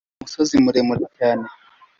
umusozi muremure cyane